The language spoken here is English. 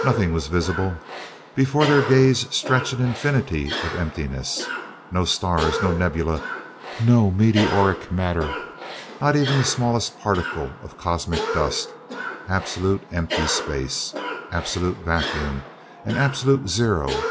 Nothing was visible before their gaze stretched an infinity of emptiness. No stars, no nebulæ, no meteoric matter, nor even the smallest particle of cosmic dust absolutely empty space. Absolute vacuum and absolute zero.